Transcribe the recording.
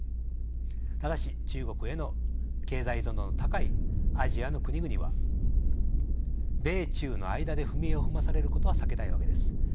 ただし中国への経済依存度の高いアジアの国々は米中の間で踏み絵を踏まされることは避けたいわけです。